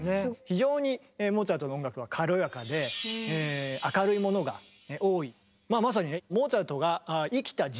非常にモーツァルトの音楽は軽やかで明るいものが多い。